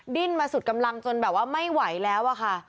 ดิ้นมาสุดกำลังจนแบบว่าไม่ไหวแล้วอะค่ะ